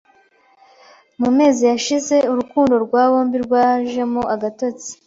Mu mezi yashize urukundo rw’aba bombi rwajemo agatotsi